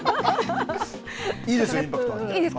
いいですよ、インパクトあって。